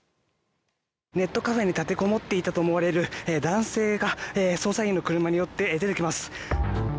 ネットカフェに立てこもっていたと思われる男性が捜査員の車に乗って出てきます。